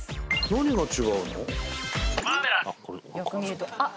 何が違うの？